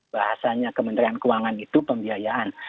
bahasanya kementerian keuangan itu pembiayaan